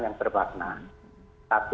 yang berbakna tapi